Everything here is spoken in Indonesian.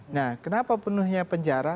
nah kenapa penuhnya penjara